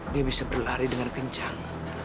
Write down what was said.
dia bisa berlari dengan kencang